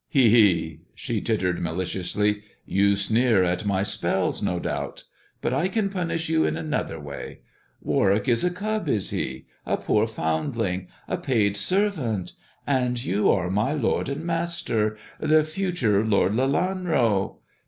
" He ! he !" she tittered maliciously, " you sneer at my spells, no doubt ! But I can punish you in another way. Warwick is a cub, is he — a poor foundling — ^a paid servant — and you are my lord and master — the future Lord Lelanro